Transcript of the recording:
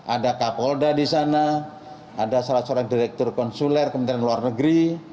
ada kapolda di sana ada salah seorang direktur konsuler kementerian luar negeri